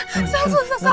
salah salah salah